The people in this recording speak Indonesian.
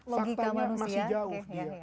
faktanya masih jauh dia